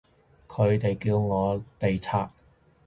佢哋叫我哋拆